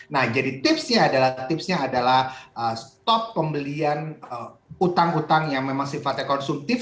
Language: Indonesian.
nah jadi tips nya adalah stop pembelian utang utang yang memang sifatnya konsumtif